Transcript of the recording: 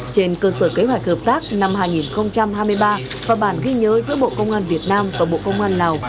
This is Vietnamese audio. trên cơ sở kế hoạch hợp tác năm hai nghìn hai mươi ba và bản ghi nhớ giữa bộ công an việt nam và bộ công an lào